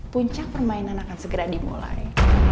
puncak permainan akan segera dimulai